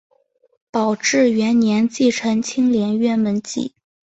宝治元年继承青莲院门迹。